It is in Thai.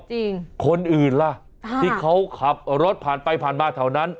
จริงคนอื่นล่ะที่เขาขับรถผ่านไปผ่านมาแถวนั้น